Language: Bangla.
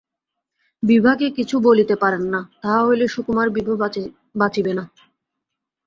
বিভাকে কিছু বলিতে পারেন না, তাহা হইলে সুকুমার বিভা বাঁচিবে না।